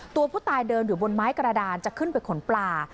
ตัวผู้ตายเดินอยู่บนไม้กระดานจะขึ้นไปขนปลา